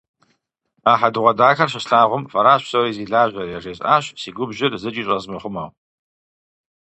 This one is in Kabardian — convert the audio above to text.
А хьэдэгъуэдахэр щыслъагъум, «Фэращ псори зи лажьэр!» яжесӏащ, си губжьыр зыкӏи щӏэзмыхъумэу.